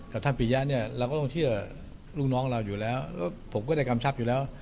ท่านปียะเนี่ยเราก็ต้องเชื่อลูกน้องเราอยู่แล้วแล้วผมก็ได้กำชับอยู่แล้ว